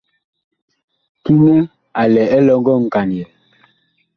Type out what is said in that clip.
Kiŋɛ a lɛ elɔŋgɔ nkanyɛɛ.